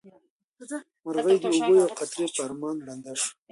مرغۍ د اوبو د یوې قطرې په ارمان ړنده شوه.